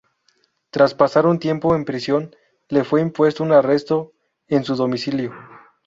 Tras pasar un tiempo en prisión, le fue impuesto un arresto en su domicilio.